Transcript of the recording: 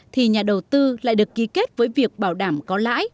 thì nhà đầu tư lại được ký kết với việc bảo đảm có lãi